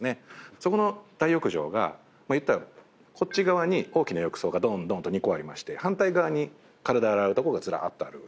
そこの大浴場が言ったらこっち側に大きな浴槽がどんどんと２個ありまして反対側に体洗うとこがずらっとある。